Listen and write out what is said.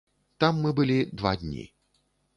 Там мы былі два дні.